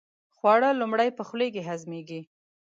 خواړه لومړی په خولې کې هضمېږي.